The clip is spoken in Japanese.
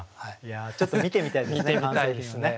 ちょっと見てみたいですね。